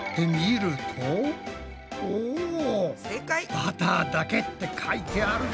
「バターだけ」って書いてあるぞ！